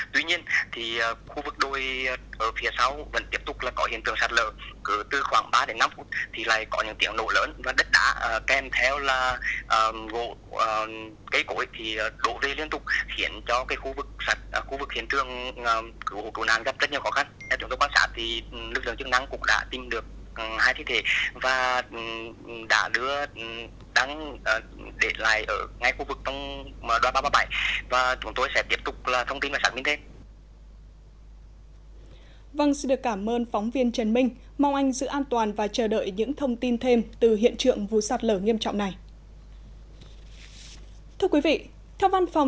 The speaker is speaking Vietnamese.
tuy nhiên thì khu vực đôi ở phía sau vẫn tiếp tục là có hiện trường sạt lở cứ từ khoảng ba đến năm phút thì lại có những tiếng nổ lớn và đất đá kèm theo là cây cổi thì đổ về liên tục khiến cho khu vực hiện trường cứu hộ cứu nạn gặp rất nhiều khó khăn